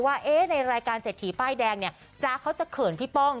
ว่าในรายการเศรษฐีป้ายแดงเนี่ยจ๊ะเขาจะเขินพี่ป้อง